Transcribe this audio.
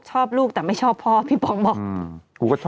ลูกแต่ไม่ชอบพ่อพี่ป๋องบอก